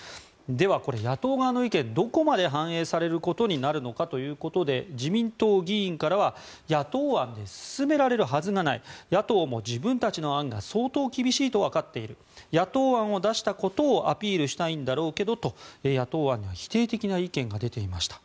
では、野党側の意見どこまで反映されることになるのかということで自民党議員からは野党案で進められるはずがない野党も自分たちの案が相当厳しいとわかっている野党案を出したことをアピールしたいんだろうけどと野党案には否定的な意見が出ていました。